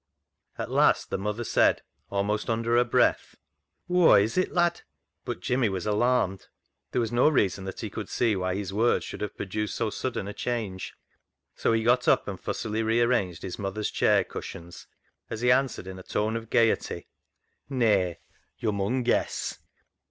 At last the mother said, almost under her breath, " Whoa is it, lad ?" But Jimmy was alarmed. There was no reason that he could see why his words should have produced so sudden a change. So he got up and fussily rearranged his mother's chair cushions as he answered, in a tone of gaiety —" Nay ; yo' mun guess."